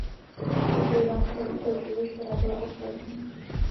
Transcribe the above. Děkuji vám i za vaši odpověď, která byla obsažná.